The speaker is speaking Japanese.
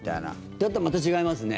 だったらまた違いますね。